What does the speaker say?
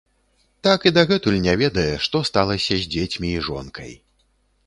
Так і дагэтуль не ведае, што сталася з дзецьмі і жонкай.